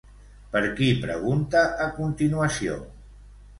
Per qui pregunta a continuació?